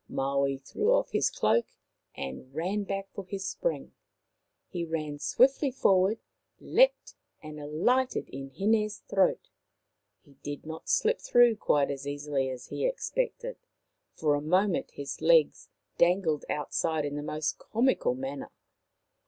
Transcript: Maui threw off his cloak and ran back for his spring. He ran swiftly forward, leapt, and alighted in Hint's throat. He did not slip through quite so easily as he expected ; for a moment his legs dangled outside in the most comical manner.